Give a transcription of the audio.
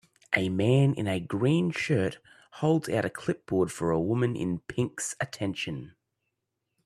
A man in a green shirt holds out a clipboard for a woman in pink 's attention.